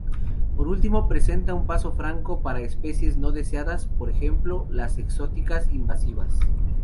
Por último, presenta un paso franco para especies no-deseadas, por ejemplo, las exóticas invasivas.